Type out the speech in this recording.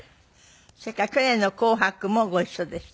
それから去年の『紅白』もご一緒でした。